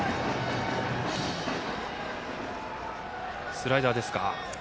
スライダーですか。